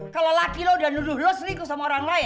kalau laki lu udah nuduh lu sendiri sama orang lain iya